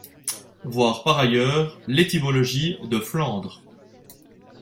Voir par ailleurs l'étymologie de Flandres.